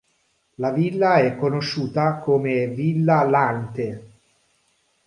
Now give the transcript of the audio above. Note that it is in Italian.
La villa è conosciuta come "Villa Lante".